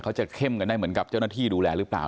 จะเข้มกันได้เหมือนกับเจ้าหน้าที่ดูแลหรือเปล่า